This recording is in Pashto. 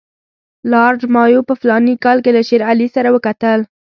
لارډ مایو په فلاني کال کې له شېر علي سره وکتل.